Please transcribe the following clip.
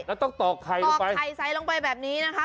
แล้วต้องตอกไข่ตอกไข่ใส่ลงไปแบบนี้นะคะ